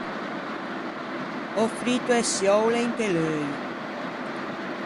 Ò frito e çioule inte l’euio.